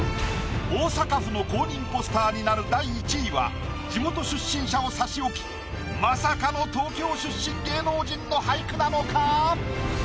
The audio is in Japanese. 大阪府の公認ポスターになる第１位は地元出身者を差し置きまさかの東京出身芸能人の俳句なのか？